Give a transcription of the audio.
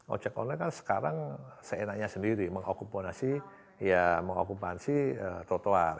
ojek online kan sekarang seenaknya sendiri mengokupansi trotoar